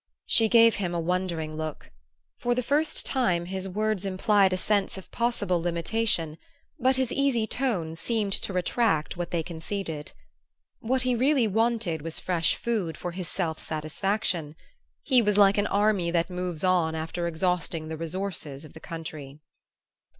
She gave him a wondering look. For the first time his words implied a sense of possible limitation; but his easy tone seemed to retract what they conceded. What he really wanted was fresh food for his self satisfaction: he was like an army that moves on after exhausting the resources of the country.